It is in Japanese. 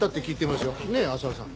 ねえ浅輪さん。